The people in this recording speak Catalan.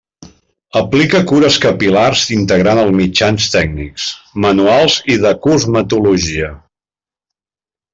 Aplica cures capil·lars integrant els mitjans tècnics, manuals i de cosmetologia.